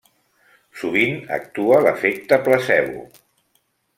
Sovint actua l’efecte placebo.